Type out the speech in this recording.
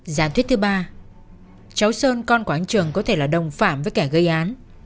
giả thuyết thứ ba cháu sơn con của anh trường có thể là đồng phạm với kẻ gây án